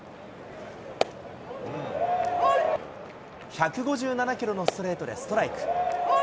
１５７キロのストレートでストライク。